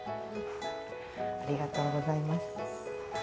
ありがとうございます。